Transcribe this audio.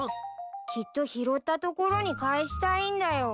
きっと拾った所に返したいんだよ。